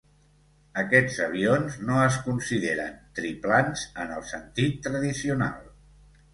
Aquests avions no es consideren triplans en el sentit tradicional.